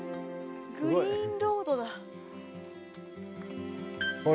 グリーンロードだ。